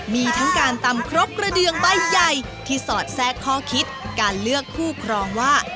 มีทั้งการตำครบกระเดืองใบใหญ่ที่สอดแทรกข้อคิดการเลือกคู่ครองว่า